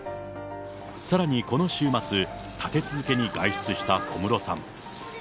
さらにこの週末、立て続けに外出した小室さん。